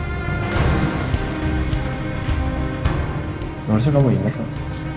menurut saya kamu inget lah